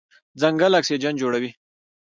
ځنګل اکسیجن جوړوي.